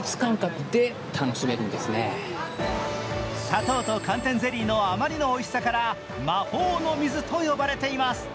砂糖と寒天ゼリーのあまりのおいしさから魔法の水と呼ばれています。